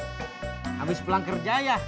habis pulang kerja ya